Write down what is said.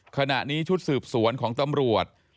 ขณะนี้ชุดสืบสวนของตำรวจ